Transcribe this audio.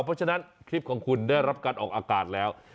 เพราะฉะนั้นคลิปของคุณได้รับการออกอากาศแล้ว